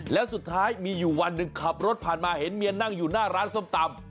แล้วสุดท้ายมีอยู่วันหนึ่งขับรถผ่านมาเห็นเมียนั่งอยู่หน้าร้านส้มตำ